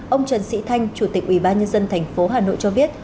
ông trần sĩ thanh chủ tịch ủy ban nhân dân thành phố hà nội cho biết